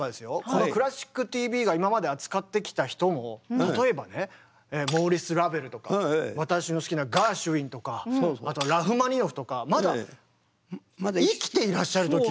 この「クラシックＴＶ」が今まで扱ってきた人も例えばねモーリス・ラヴェルとか私の好きなガーシュウィンとかあとラフマニノフとかまだ生きていらっしゃる時。